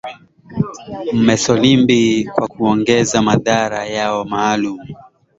mesolimbi kwa kuongeza madhara yao maalum